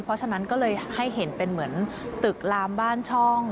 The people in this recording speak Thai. เพราะฉะนั้นก็เลยให้เห็นเป็นเหมือนตึกลามบ้านช่อง